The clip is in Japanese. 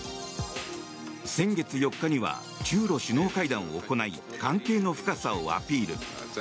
先月４日には中ロ首脳会談を行い関係の深さをアピール。